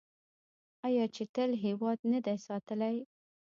آیا چې تل یې هیواد نه دی ساتلی؟